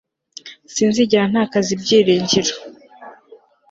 sinzigera ntakaza ibyiringiro